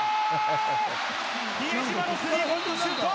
比江島のスリーポイントシュート！